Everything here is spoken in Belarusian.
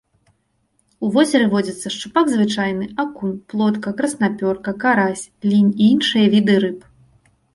У возеры водзяцца шчупак звычайны, акунь, плотка, краснапёрка, карась, лінь і іншыя віды рыб.